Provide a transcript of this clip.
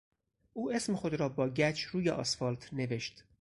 او اسم خود را با گچ روی آسفالت نوشت.